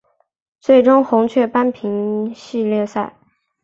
最终红雀扳平系列赛。